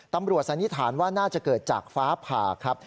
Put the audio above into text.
ตำรวจสันนิษฐานว่าน่าจะเกิดจากฟ้าผ่า